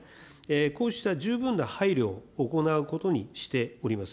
こうした十分な配慮を行うことにしております。